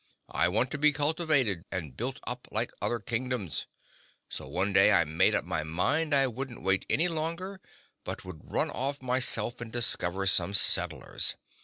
"I want to be cultivated and built up like other Kingdoms. So, one day I made up my mind I wouldn't wait any longer but would run off myself and discover some settlers.